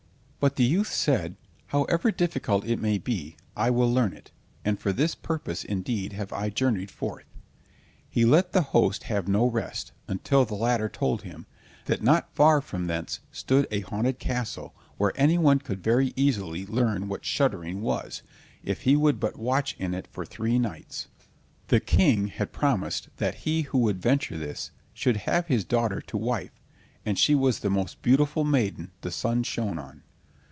But the youth said: "However difficult it may be, I will learn it, and for this purpose indeed have I journeyed forth." He let the host have no rest, until the latter told him, that not far from thence stood a haunted castle where any one could very easily learn what shuddering was, if he would but watch in it for three nights. The King had promised that he who would venture this should have his daughter to wife, and she was the most beautiful maiden the sun shone on.